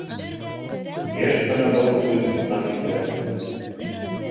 Йыш ҡына был суицидҡа килтерә.